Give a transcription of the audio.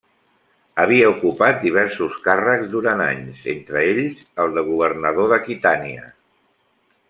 Havia ocupat diversos càrrecs durant anys, entre ells el de governador d'Aquitània.